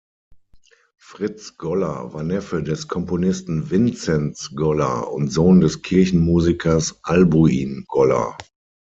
Fritz Goller war Neffe des Komponisten Vinzenz Goller und Sohn des Kirchenmusikers Albuin Goller.